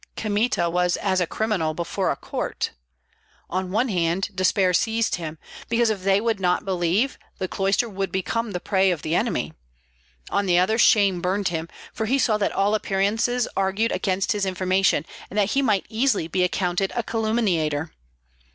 Kmita was as a criminal before a court. On one hand, despair seized him, because if they would not believe, the cloister would become the prey of the enemy; on the other, shame burned him, for he saw that all appearances argued against his information, and that he might easily be accounted a calumniator.